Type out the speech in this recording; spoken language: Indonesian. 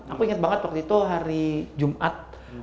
aku inget banget waktu itu hari jumat